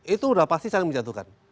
itu udah pasti saling menjatuhkan